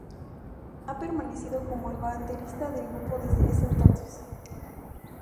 Ha permanecido como el baterista del grupo desde ese entonces.